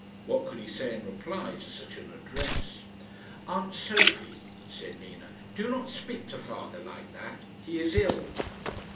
What could he say in reply to such an address? "Aunt Sophie," said Nina, "do not speak to father like that. He is ill."